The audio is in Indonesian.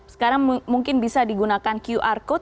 sekarang mungkin bisa digunakan qr code